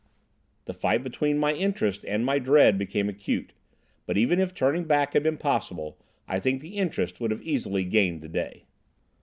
The fight between my interest and my dread became acute. But, even if turning back had been possible, I think the interest would have easily gained the day.